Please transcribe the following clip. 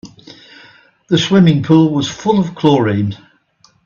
The swimming pool was full of chlorine.